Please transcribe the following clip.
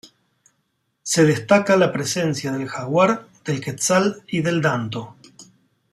Se destaca la presencia del jaguar, del quetzal y del danto.